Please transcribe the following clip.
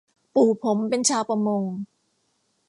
ปู่ผมเป็นชาวประมง